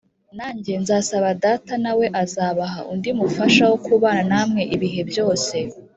Nanjye nzasaba Data, nawe azabaha undi Mufasha wo kubana namwe ibihe byose